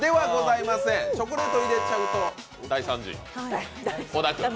チョコレート入れちゃうと大惨事。